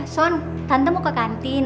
son tante mau ke kantin